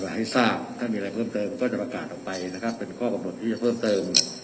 ให้ทราบถ้ามีอะไรเพิ่มเติมก็จะประกาศออกไปนะครับเป็นข้อกำหนดที่จะเพิ่มเติม